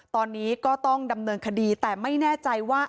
ตอนนี้ก็ต้องดำเนินคดีแต่ไม่แน่ใจว่า